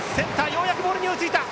ようやくボールに追いついた。